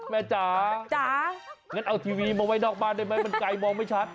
จ๋าจ๋างั้นเอาทีวีมาไว้นอกบ้านได้ไหมมันไกลมองไม่ชัด